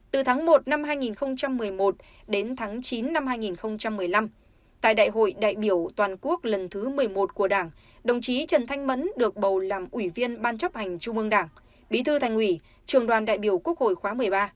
từ tháng một năm hai nghìn một mươi một đến tháng chín năm hai nghìn một mươi năm tại đại hội đại biểu toàn quốc lần thứ một mươi một của đảng đồng chí trần thanh mẫn được bầu làm ủy viên ban chấp hành trung ương đảng bí thư thành ủy trường đoàn đại biểu quốc hội khóa một mươi ba